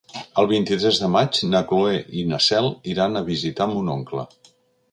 El vint-i-tres de maig na Cloè i na Cel iran a visitar mon oncle.